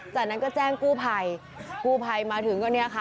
จากนั้นก็แจ้งกู้ไพมาถึงก็เนี่ยค่ะ